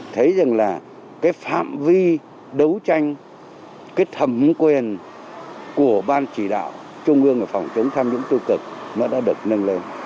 thấy rằng là cái phạm vi đấu tranh cái thẩm quyền của ban chỉ đạo trung ương về phòng chống tham nhũng tiêu cực nó đã được nâng lên